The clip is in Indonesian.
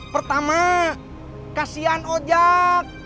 pertama kasian ojak